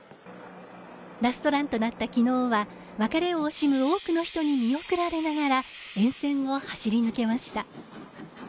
ラストランとなった昨日は別れを惜しむ多くの人に見送られながら沿線を走り抜けました。